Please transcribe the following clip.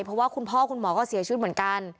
เพราะว่าคุณพ่อคุณหมอก็เสียชีวิตเหมือนกัน